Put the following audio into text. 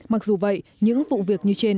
mặc dù vậy những vụ việc như trên